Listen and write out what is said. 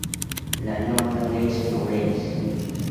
La Londe-les-Maures